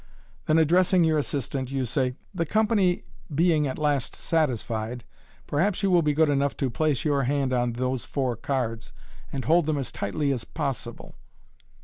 Then, addressing your assistant, you say, " The company being at last satisfied, perhaps you will be good enough to place your hand on those four cards, and hold them as tightly as possible."